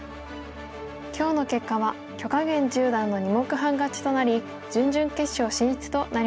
今日の結果は許家元十段の２目半勝ちとなり準々決勝進出となりました。